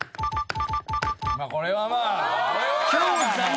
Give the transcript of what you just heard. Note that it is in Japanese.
まあこれはまあ。